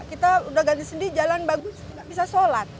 kita sudah ganti sendi jalan bagus nggak bisa sholat